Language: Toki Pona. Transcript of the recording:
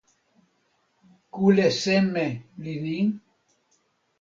kule seme li ni?